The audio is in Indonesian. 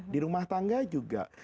di rumah tangga juga